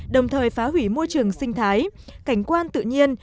đồng thời phá hủy môi trường sinh thái cảnh quan tự nhiên